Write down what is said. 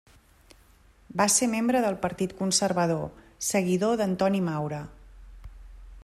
Va ser membre del Partit Conservador, seguidor d'Antoni Maura.